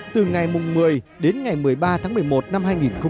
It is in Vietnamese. từ ngày một mươi đến ngày một mươi ba tháng một mươi một năm hai nghìn một mươi chín